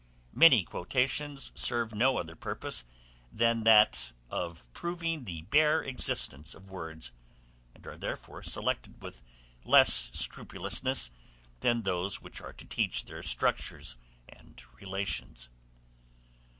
Many quotations serve no other purpose than that of proving the bare existence of words, and are therefore selected with less scrupulousness than those which are to teach their structures and relations.